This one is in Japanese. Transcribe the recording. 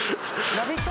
『ラヴィット！』